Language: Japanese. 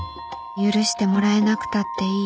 許してもらえなくたっていい。